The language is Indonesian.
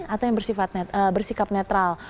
atau yang bersikap netral